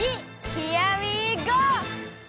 ヒアウィーゴー！